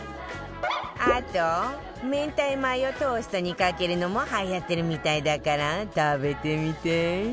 あと明太マヨトーストにかけるのもはやってるみたいだから食べてみて